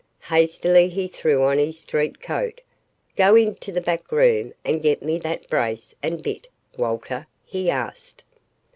Hastily he threw on his street coat. "Go into the back room and get me that brace and bit, Walter," he asked.